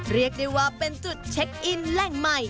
เรียกได้ว่าเป็นจุดเช็คอินแหล่งใหม่